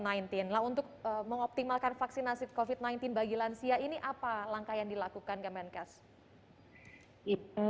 nah untuk mengoptimalkan vaksinasi covid sembilan belas bagi lansia ini apa langkah yang dilakukan kemenkes